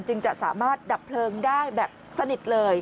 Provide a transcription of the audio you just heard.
จะสามารถดับเพลิงได้แบบสนิทเลย